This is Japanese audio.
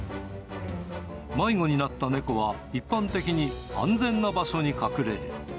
迷子になった猫は一般的に安全な場所に隠れる。